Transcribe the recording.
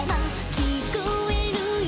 「聞こえるよ」